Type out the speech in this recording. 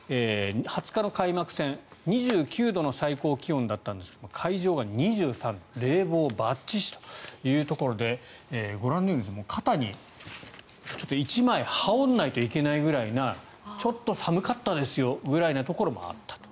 ２０日の開幕戦２９度の最高気温だったんですが会場が２３度冷房ばっちしというところでご覧のように肩に１枚羽織らないといけないぐらいちょっと寒かったですよぐらいなところもあったと。